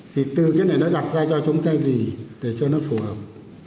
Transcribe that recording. thì từ cái này nó đặt ra cho chúng ta gì để cho nó phù hợp